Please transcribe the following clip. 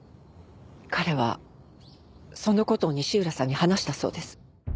彼はその事を西浦さんに話したそうです。